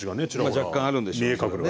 若干あるんでしょう。